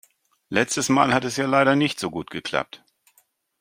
Letztes Mal hat es ja leider nicht so gut geklappt.